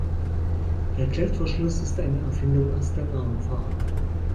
Der Klettverschluss ist eine Erfindung aus der Raumfahrt.